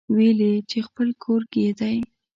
ويل يې چې خپل کور يې دی.